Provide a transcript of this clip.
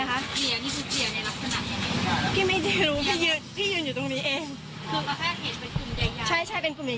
หลังเกิดเหตุจนถึงวันนี้ไม่สามารถเปิดกล้องวงจรปิดดูย้อนหลังได้อ่ะคุณผู้ชม